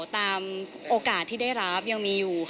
ตามโอกาสที่ได้รับยังมีอยู่